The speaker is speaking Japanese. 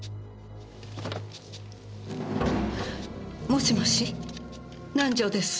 もしもし南条です。